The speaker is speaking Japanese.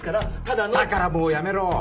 だからもうやめろ！